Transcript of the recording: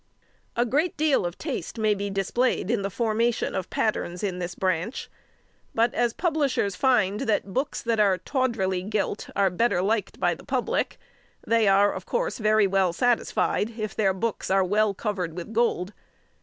A great deal of taste may be displayed in the formation of patterns in this branch, but as publishers find that books that are tawdrily gilt are better liked by the public, they are, of course, very well satisfied if their books are well covered with gold.